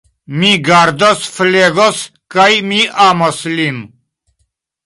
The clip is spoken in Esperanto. Mi gardos, flegos kaj mi amos lin.